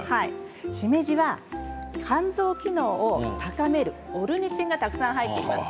シメジは肝臓機能を高めるオルニチンがたくさん入っています。